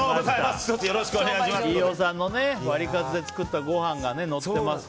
飯尾さんのワリカツで作ったごはんが載っています。